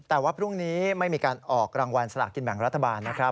แต่ว่าพรุ่งนี้ไม่มีการออกรางวัลสลากกินแบ่งรัฐบาลนะครับ